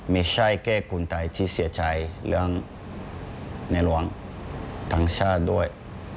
ไม่ใช่แก้กุลไตที่เสียใจเรื่องในหลวงทั้งชาติด้วย